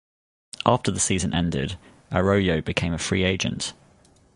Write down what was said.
After the season ended, Arroyo became a free agent.